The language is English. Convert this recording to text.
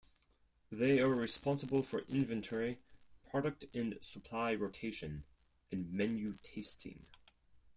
They are responsible for inventory, product and supply rotation, and menu tasting.